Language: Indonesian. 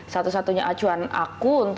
sedang lebih gampang